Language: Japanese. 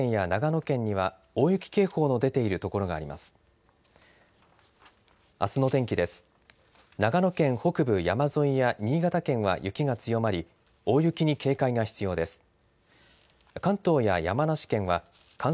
長野県北部山沿いや新潟県は雪が強まり大雪に警戒が必要です。